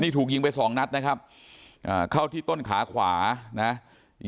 นี่ถูกยิงไปสองนัดนะครับอ่าเข้าที่ต้นขาขวานะ